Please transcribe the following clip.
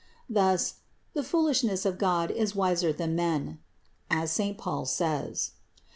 Thus "the foolishness of God is wiser than men," as saint Paul says.